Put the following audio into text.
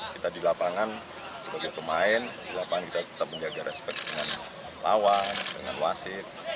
kita di lapangan sebagai pemain di lapangan kita tetap menjaga respect dengan lawan dengan wasit